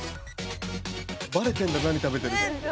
バレてんだ何食べてるか。